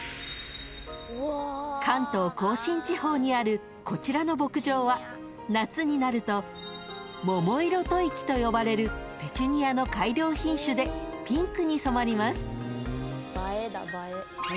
［関東甲信地方にあるこちらの牧場は夏になると桃色吐息と呼ばれるペチュニアの改良品種でピンクに染まります］